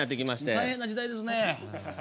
大変な時代ですね。